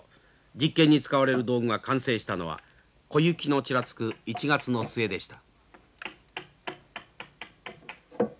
実験に使われる道具が完成したのは小雪のちらつく１月の末でした。